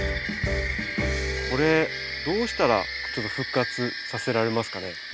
これどうしたらちょっと復活させられますかね？